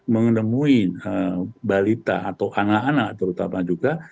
menemui balita atau anak anak terutama juga